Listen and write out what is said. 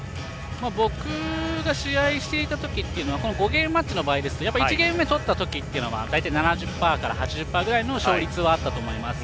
僕が試合していた時というのは５ゲームマッチの時は１ゲーム目、取った時というのは大体７０％から８０％の勝率はあったと思いますね。